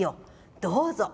どうぞ。